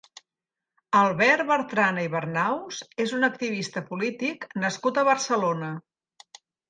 Albert Bertrana i Bernaus és un activista polític nascut a Barcelona.